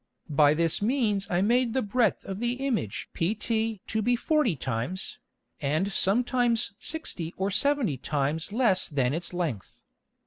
By this means I made the Breadth of the Image pt to be forty times, and sometimes sixty or seventy times less than its Length.